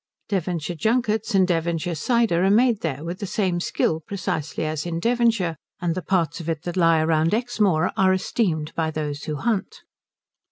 Devonshire junkets and Devonshire cider are made there with the same skill precisely as in Devonshire; and the parts of it that lie round Exmoor are esteemed by those who hunt.